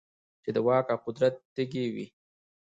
چـې د واک او قـدرت تـېږي وي .